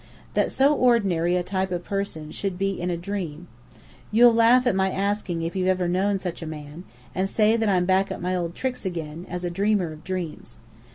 That so ordinary a type of person should be in a dream. You'll laugh at my asking if you've ever known such a man, and say that I'm back at my old tricks again, as a dreamer of dreams.